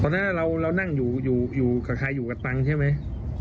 เพราะฉะนั้นเรานั่งคลายอยู่กับตังใช่ไหม